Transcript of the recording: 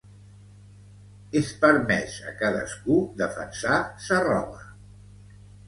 És permès a cadascú defensar sa roba.